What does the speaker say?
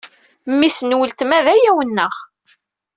Mmi-s n weltma d ayaw-nneƔ.